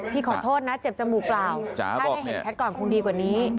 ขอโทษนะเจ็บจมูกเปล่าถ้าได้เห็นชัดก่อนคงดีกว่านี้